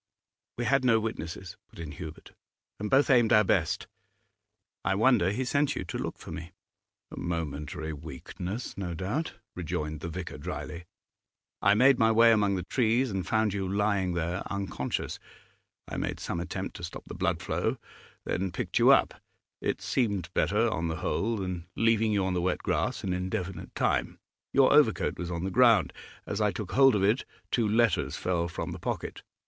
'We had no witnesses,' put in Hubert; 'and both aimed our best. I wonder he sent you to look for me.' 'A momentary weakness, no doubt,' rejoined the vicar drily. I made my way among the trees and found you lying there, unconscious. I made some attempt to stop the blood flow, then picked you up; it seemed better, on the whole, than leaving you on the wet grass an indefinite time. Your overcoat was on the ground; as I took hold of it, two letters fell from the pocket.